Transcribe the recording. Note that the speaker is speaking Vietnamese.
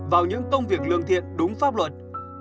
vào những công việc lương thiện đúng pháp luật